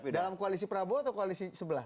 dalam koalisi prabowo atau koalisi sebelah